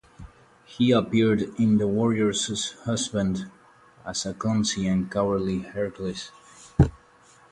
He appeared in "The Warrior's Husband" as a clumsy and cowardly Hercules.